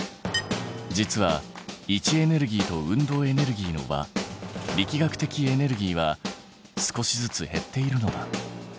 実は位置エネルギーと運動エネルギーの和力学的エネルギーは少しずつ減っているのだ。